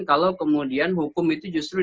kalau kemudian hukum itu justru